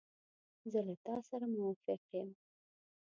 زه له تا سره موافق یم.